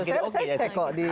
saya cek kok di daki